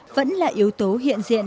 vẫn là yếu tố hiện diện